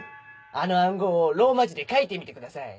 あの暗号をローマ字で書いてみてください。